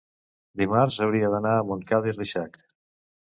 dimarts hauria d'anar a Montcada i Reixac.